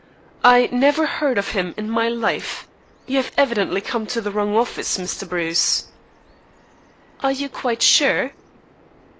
"I never heard of him in my life. You have evidently come to the wrong office, Mr. Bruce." "Are you quite sure?"